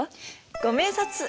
ご明察！